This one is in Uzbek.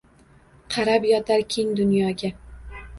Qarab yotar keng dunyoga